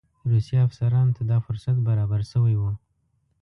روسي افسرانو ته دا فرصت برابر شوی وو.